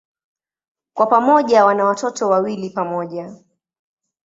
Kwa pamoja wana watoto wawili pamoja.